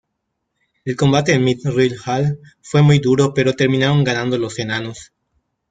El combate en Mithril hall fue muy duro pero terminaron ganando los enanos.